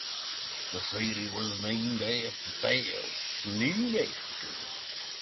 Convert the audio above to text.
The city was named after Taos, New Mexico.